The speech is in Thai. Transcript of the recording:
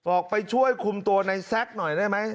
ออกไปช่วยคุมตัวในแซคหน่อยได้ไหม